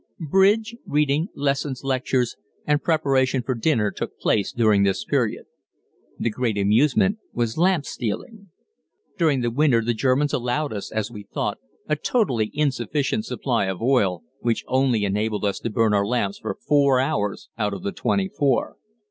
Bridge, reading, lessons, lectures, and preparation for dinner took place during this period. The great amusement was lamp stealing. During the winter the Germans allowed us, as we thought, a totally insufficient supply of oil, which only enabled us to burn our lamps for four hours out of the twenty four.